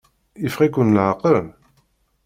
Yeffeɣ-iken leɛqel?